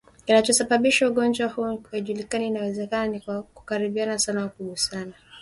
Kinachosababisha ugonjwa huu hakijulikani inawezekana ni kwa kukaribiana sana au kugusana